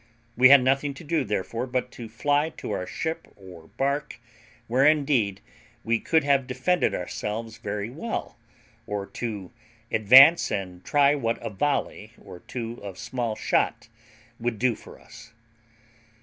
We had nothing to do, therefore, but to fly to our ship or bark, where indeed we could have defended ourselves very well, or to advance and try what a volley or two of small shot would do for us.